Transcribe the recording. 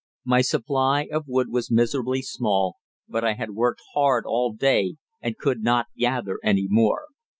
My supply of wood was miserably small, but I had worked hard all day and could not gather any more.